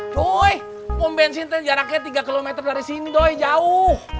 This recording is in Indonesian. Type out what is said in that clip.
tuh pom bensin jaraknya tiga km dari sini doy jauh